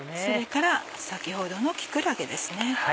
それから先ほどの木くらげです。